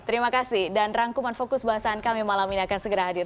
terima kasih dan rangkuman fokus bahasan kami malam ini akan segera hadir